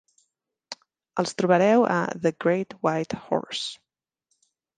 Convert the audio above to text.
Els trobareu a "The Great White Horse".